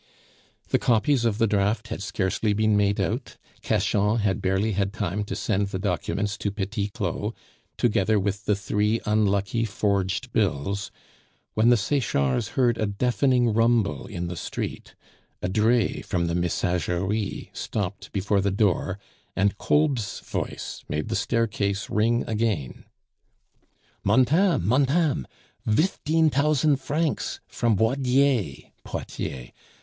The copies of the draft had scarcely been made out, Cachan had barely had time to send the documents to Petit Claud, together with the three unlucky forged bills, when the Sechards heard a deafening rumble in the street, a dray from the Messageries stopped before the door, and Kolb's voice made the staircase ring again. "Montame! montame! vifteen tausend vrancs, vrom Boidiers" (Poitiers).